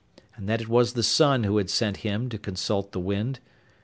And that it was the sun who had sent him to consult the wind.